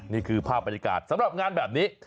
นี่คือภาพบรรยากาศสำหรับงานแบบนี้